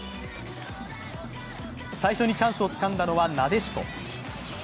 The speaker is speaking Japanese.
最初にチャンスをつかんだのはなでしこ。